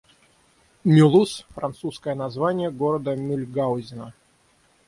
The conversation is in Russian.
Мюлуз — французское название города Мюльгаузена.